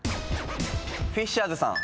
フィッシャーズさん。